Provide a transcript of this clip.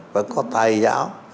phải có tài giáo